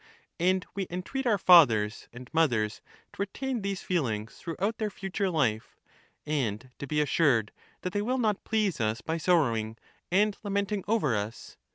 And we entreat our fathers and mothers to retain these feelings throughout their future life, and to be assured that they will not please us by sorrowing and lamenting over us.